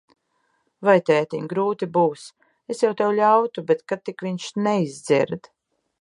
Vai, tētiņ, grūti būs. Es jau tev ļautu, bet ka tik viņš neizdzird.